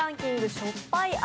しょっぱい味